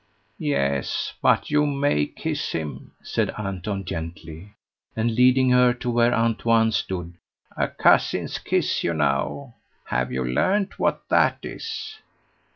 "Yes, but you may kiss him," said Anton gently, and leading her to where Antoine stood "a cousin's kiss, you know have you learned what that is?"